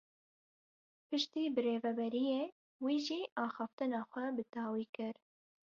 Piştî birêveberiyê, wî jî axaftina xwe bi dawî kir.